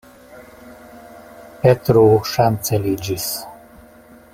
Petro ŝanceliĝis.